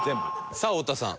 さあ太田さん。